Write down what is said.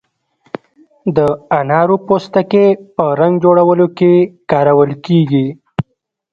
د انارو پوستکی په رنګ جوړولو کې کارول کیږي.